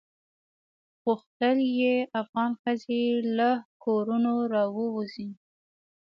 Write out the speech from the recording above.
غوښتل یې افغان ښځې له کورونو راووزي.